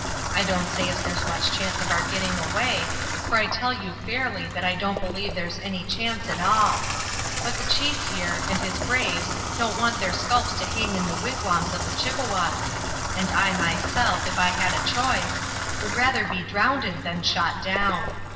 I don't say as there's much chance of our getting away, for I tell you fairly that I don't believe that there's any chance at all; but the chief, here, and his braves don't want their sculps to hang in the wigwams of the Chippewas, and I myself, ef I had the choice, would rather be drownded than shot down.